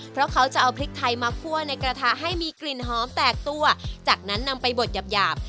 เพราะเขาจะเอาพริกไทยมาคั่วในกระทะให้มีกลิ่นหอมแตกตัวจากนั้นนำไปบดหยาบหยาบ